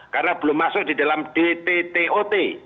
karena belum masuk di dalam dttot